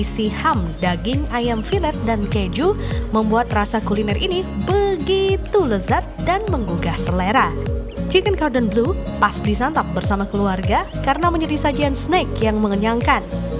chicken carden blue pas disantap bersama keluarga karena menjadi sajian snack yang mengenyangkan